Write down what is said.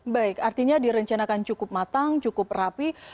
baik artinya direncanakan cukup matang cukup rapi